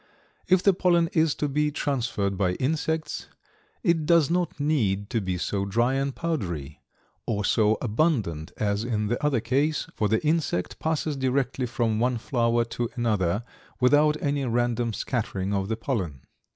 If the pollen is to be transferred by insects it does not need to be so dry and powdery, or so abundant as in the other case, for the insect passes directly from one flower to another, without any random scattering of the pollen.